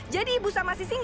jadi ibu sama si singa